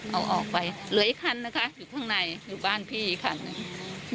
เอาออกไปเหลืออีกคันนะคะอยู่ข้างในอยู่บ้านพี่อีกคันหนึ่ง